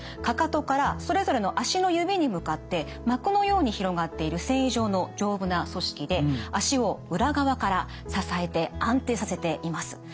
かかとからそれぞれの足の指に向かって膜のように広がっている線維状の丈夫な組織で足を裏側から支えて安定させています。